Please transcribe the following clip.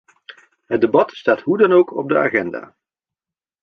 Het debat staat hoe dan ook op de agenda.